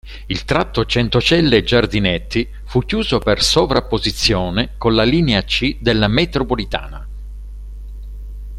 Il tratto Centocelle-Giardinetti fu chiuso per sovrapposizione con la linea C della metropolitana.